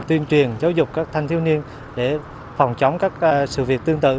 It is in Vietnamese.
tuyên truyền giáo dục các thanh thiếu niên để phòng chống các sự việc tương tự